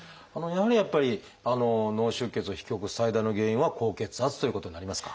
やっぱり脳出血を引き起こす最大の原因は高血圧ということになりますか？